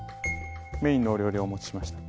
メインのお料理をお持ちしました